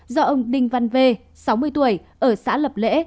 do ông đinh văn v sáu mươi tuổi ở xã lập lễ